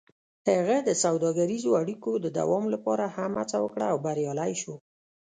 هغه د سوداګریزو اړیکو د دوام لپاره هم هڅه وکړه او بریالی شو.